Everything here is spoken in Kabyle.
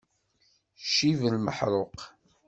Ccib lmeḥṛuq!